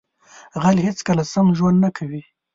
غل هیڅکله سم ژوند نه کوي